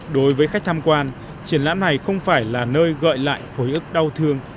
đối với khách tham quan triển lãm này không phải là nơi gọi lại hối ức đau thương